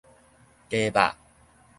雞肉